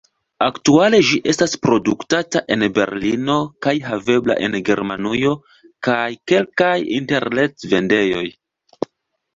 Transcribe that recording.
Aktuale ĝi estas produktata en Berlino kaj havebla en Germanujo kaj kelkaj interret-vendejoj.